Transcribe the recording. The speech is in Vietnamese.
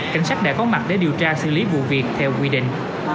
cảnh sát đã có mặt để điều tra xử lý vụ việc theo quy định